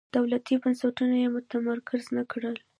دولتي بنسټونه یې متمرکز نه کړل.